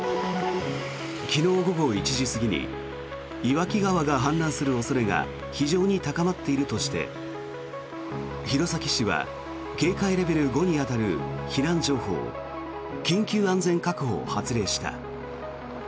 昨日午後１時過ぎに岩木川が氾濫する恐れが非常に高まっているとして弘前市は警戒レベル５に当たる避難情報緊急安全確保を発令した。